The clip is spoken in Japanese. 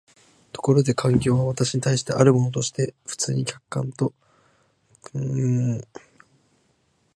ところで環境は私に対してあるものとして普通に客観と看做されている。